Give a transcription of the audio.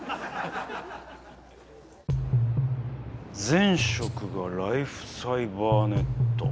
前職がライフサイバーネット。